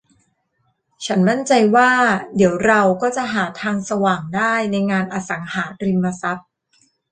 ฉันมั่นใจว่า เดี๋ยวเราก็จะหาทางสว่างได้ในงานอสังหาริมทรัพย์